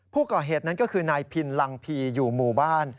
ผู้เกราะเหตุนั้นคือนายพินฮาร์ลังภีร์อยู่หมู่บ้าน